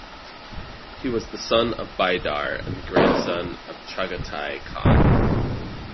He was the son of Baidar and the grandson of Chagatai Khan.